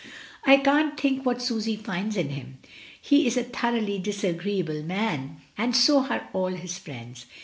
"I can't think what Susy finds in him. He is a thoroughly disagreeable man, and so are all his friends.